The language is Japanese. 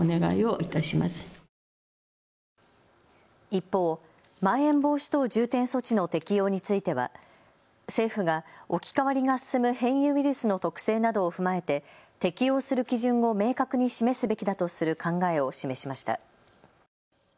一方、まん延防止等重点措置の適用については政府が置き換わりが進む変異ウイルスの特性などを踏まえて適用する基準を明確に示すべきだとする考えを示しました。